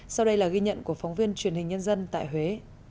sau đây là ghi nhận của phóng viên truyền hình nhân dân tại huế